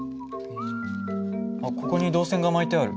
あっここに導線が巻いてある。